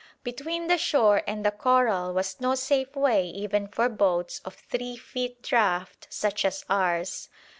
Between the shore and the coral was no safe way even for boats of three feet draught such as ours.